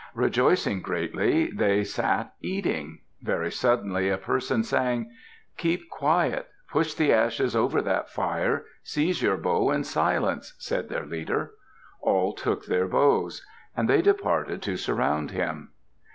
Rejoicing greatly, they sat eating. Very suddenly a person sang. "Keep quiet. Push the ashes over that fire. Seize your bow in silence!" said their leader. All took their bows. And they departed to surround him.